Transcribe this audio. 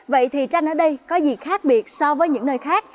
vậy thì tranh ở đây có gì khác biệt so với những nơi khác